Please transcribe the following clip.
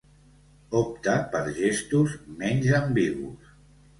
Opta per gestos menys ambigus.